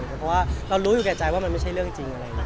เพราะว่าเรารู้อยู่แก่ใจว่ามันไม่ใช่เรื่องจริงอะไรอย่างนี้